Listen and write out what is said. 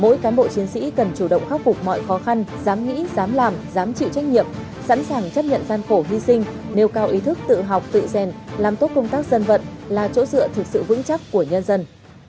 mỗi cán bộ chiến sĩ cần chủ động khắc phục mọi khó khăn dám nghĩ dám làm dám chịu trách nhiệm sẵn sàng chấp nhận gian khổ hy sinh nêu cao ý thức tự học tự rèn làm tốt công tác dân vận là chỗ dựa thực sự vững chắc của nhân dân